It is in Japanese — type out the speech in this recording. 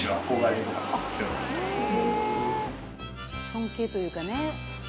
尊敬というかね。